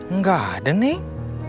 enggak ada neng